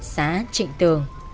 xá trịnh tường